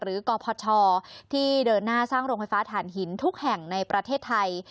กพชที่เดินหน้าสร้างโรงไฟฟ้าฐานหินทุกแห่งในประเทศไทย